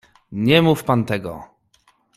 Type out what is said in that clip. "Nie mów pan tego!"